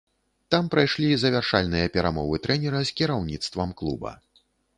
Там прайшлі завяршальныя перамовы трэнера з кіраўніцтвам клуба.